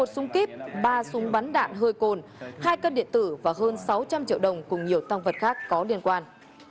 một súng kíp ba súng bắn đạn hơi cồn hai cân điện tử và hơn sáu trăm linh triệu đồng cùng nhiều tăng vật khác có liên quan